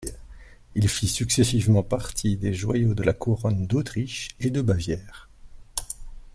Il fit successivement partie des joyaux de la couronne d'Autriche et de Bavière.